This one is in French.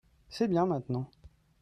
c'est bien maintenant.